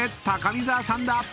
高見沢さんだ！］